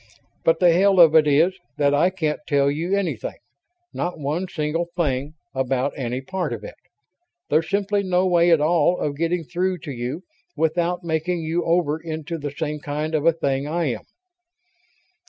But the hell of it is that I can't tell you anything not one single thing about any part of it. There's simply no way at all of getting through to you without making you over into the same kind of a thing I am."